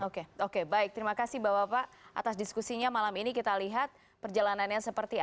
oke oke baik terima kasih bapak bapak atas diskusinya malam ini kita lihat perjalanannya seperti apa